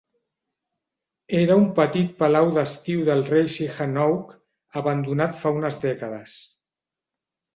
Era un petit palau d'estiu del rei Sihanouk, abandonat fa unes dècades.